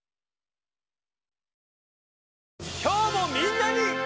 今日もみんなに。